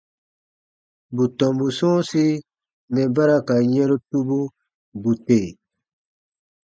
Bù tɔmbu sɔ̃ɔsi mɛ̀ ba ra ka yɛ̃ru tubu, bù tè.